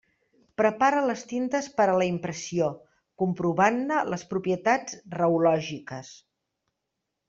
Prepara les tintes per a la impressió, comprovant-ne les propietats reològiques.